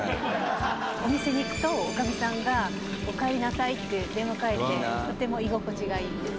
「お店に行くと女将さんが“おかえりなさい”って出迎えてとても居心地がいいんです」